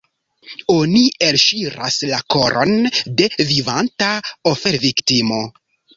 Oni elŝiras la koron de vivanta oferviktimo.